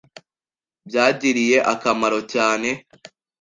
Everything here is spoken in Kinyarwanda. Byangiriye akamaro cyane.